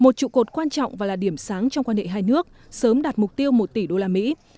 một trụ cột quan trọng và là điểm sáng trong quan hệ hai nước sớm đạt mục tiêu một tỷ đô la mỹ